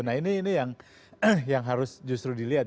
nah ini yang harus justru dilihat